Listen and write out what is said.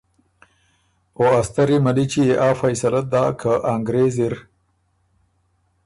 او ا ستری ملِچی يې آ فیصلۀ داک که ا انګرېز اِر